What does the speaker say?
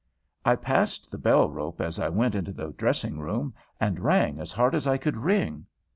I passed the bell rope as I went into the dressing room, and rang as hard as I could ring.